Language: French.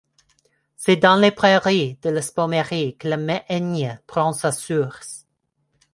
C'est dans les prairies de la Spaumerie que la Mehaigne prend sa source.